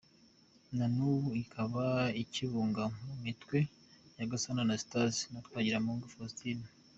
Na n’ubu ikaba ikibunga mu mitwe ya Gasana Anastase na Twagiramungu Faustin.